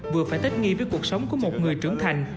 vừa phải tết nghi với cuộc sống của một người trưởng thành